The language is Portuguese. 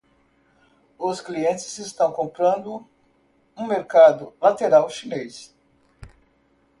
Os clientes estão comprando um mercado lateral chinês.